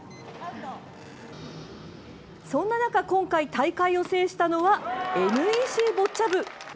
そんな中、今回大会を制したのはＮＥＣボッチャ部。